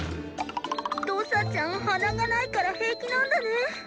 ドサちゃん鼻がないから平気なんだね。